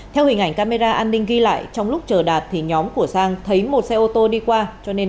theo hình ảnh camera an ninh ghi lại trong lúc chờ đạt thì nhóm của sang thấy một xe ô tô đi qua cho nên